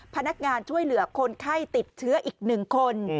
พนักงานช่วยเหลือคนไข้ติดเชื้ออีก๑คน